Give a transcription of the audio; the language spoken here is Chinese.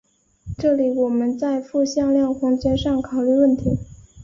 这里我们在复向量空间上考虑问题。